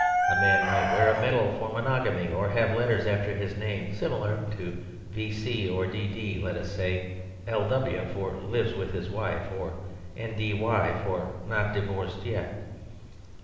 A man might wear a medal for monogamy; or have letters after his name similar to V.C. or D.D. ; let us say L.W. for "Lives With His Wife," or "N.D.Y. for "Not Divorced Yet."